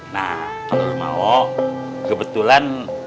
nah kalau mau kebetulan